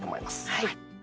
はい。